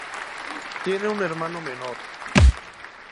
Tiene un hermano menor.